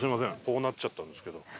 こうなっちゃったんですけど。